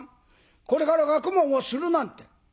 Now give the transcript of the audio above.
これから学問をするなんて」。